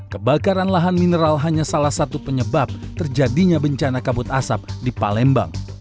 kebakaran lahan mineral hanya salah satu penyebab terjadinya bencana kabut asap di palembang